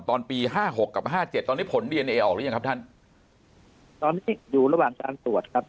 ตอนปีห้าหกกับห้าเจ็ดตอนนี้ผลดีเอนเอออกหรือยังครับท่านตอนนี้อยู่ระหว่างการตรวจครับ